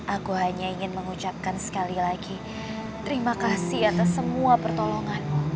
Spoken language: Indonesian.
aku hanya ingin mengucapkan sekali lagi terima kasih atas semua pertolongan